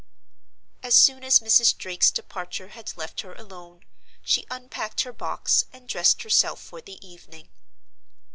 As soon as Mrs. Drake's departure had left her alone, she unpacked her box, and dressed herself for the evening.